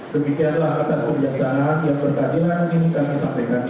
demikianlah atas perbiasaan yang berkaitan dengan ini kami sampaikan